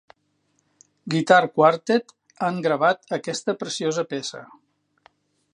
Guitar Quartet han gravat aquesta preciosa peça.